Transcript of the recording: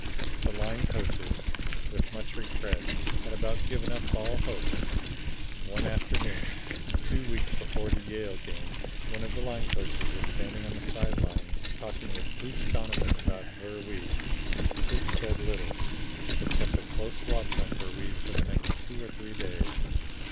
The line coaches, with much regret, had about given up all hope. One afternoon, two weeks before the Yale game, one of the line coaches was standing on the side lines talking with Pooch Donovan about Ver Wiebe. Pooch said little, but kept a close watch on Ver Wiebe for the next two or three days.